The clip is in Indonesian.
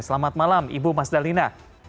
selamat malam ibu mas dalina